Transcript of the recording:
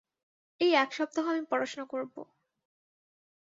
এই এক সপ্তাহ আমি পড়াশোনা করব।